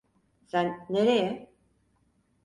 Sen nereye?